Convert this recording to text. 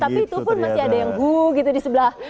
tapi itu pun masih ada yang hu gitu di sebelah